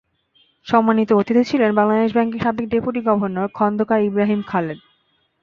সম্মানিত অতিথি ছিলেন বাংলাদেশ ব্যাংকের সাবেক ডেপুটি গভর্নর খোন্দকার ইব্রাহিম খালেদ।